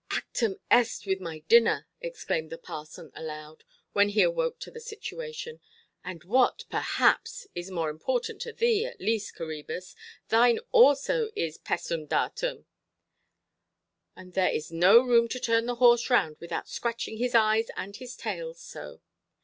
"ʼActum est' with my dinner", exclaimed the parson aloud, when he awoke to the situation; "and what, perhaps, is more important to thee, at least, Coræbus, thine also is 'pessum datum'. And there is no room to turn the horse round without scratching his eyes and his tail so.